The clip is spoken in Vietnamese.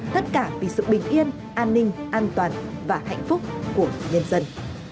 tất cả vì sự bình yên an ninh an toàn và hạnh phúc của nhân dân